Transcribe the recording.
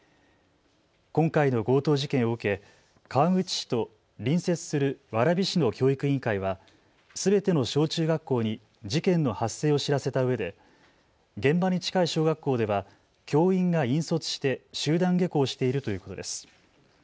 今回の強盗事件を受け川口市と隣接する蕨市の教育委員会はすべての小中学校に事件の発生を知らせたうえで現場に近い小学校では教員が引率して集団下校しているということです。